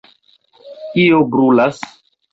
kio brulas?